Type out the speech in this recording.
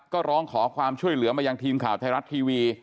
ก็ร้องขอความช่วยเหลือมายังทีมข่าวไทยรัฐทีวี